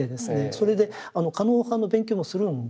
それで狩野派の勉強もするんです。